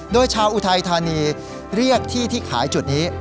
โดยชาวอุทัยธานีเรียกที่ที่ขายจุดนี้